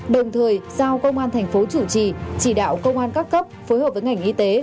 đồng thời giao công an thành phố chủ trì chỉ đạo công an các cấp phối hợp với ngành y tế